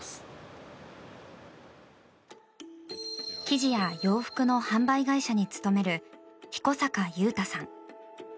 生地や洋服の販売会社に勤める彦坂雄大さん。